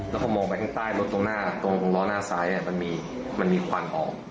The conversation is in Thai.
แล้วเขามองไปข้างใต้รถตรงร้อน่าซ้ายมันมีควันออก